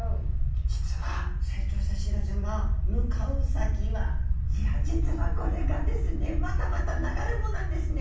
実は成長したシイラちゃんが向かう先はいや実はこれがですねまたまた流れ藻なんですね。